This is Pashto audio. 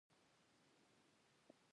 آیا پښتون په خپله خپلواکۍ مین نه دی؟